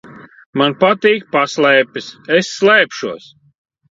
Man patīk paslēpes. Es slēpšos.